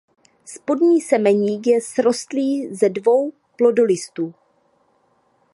Spodní semeník je srostlý ze dvou plodolistů.